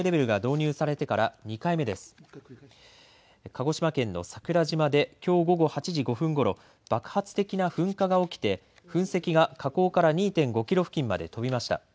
鹿児島県の桜島できょう午後８時５分ごろ爆発的な噴火が起きて噴石か火口から２．５キロ付近に飛びました。